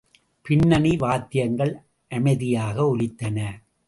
பின்னணி வாத்தியங்கள் அமைதியாக ஒலித்தன.